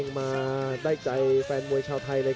กันต่อแพทย์จินดอร์